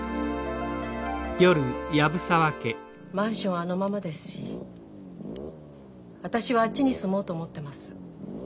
マンションあのままですし私はあっちに住もうと思ってます。